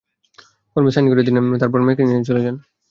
ফর্মে সাইন করে দিন, তারপর মেয়েকে নিয়ে চলে যান।